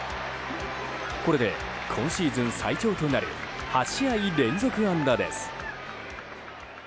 これで今シーズン最長となる８試合連続安打です。